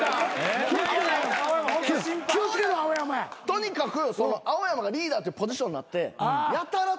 とにかく青山がリーダーっていうポジションになってやたらと後輩に対して上から。